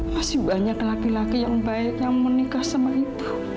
masih banyak laki laki yang baik yang menikah sama ibu